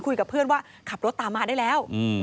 คุยกับเพื่อนว่าขับรถตามมาได้แล้ว